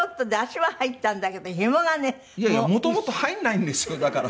いやいやもともと入らないんですよだから。